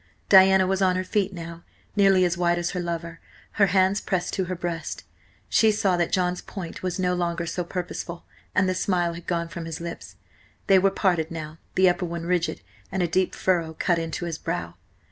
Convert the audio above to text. Diana was on her feet now, nearly as white as her lover, her hands pressed to her breast. She saw that John's point was no longer so purposeful, and the smile had gone from his lips. They were parted now, the upper one rigid, and a deep furrow cut into his brow.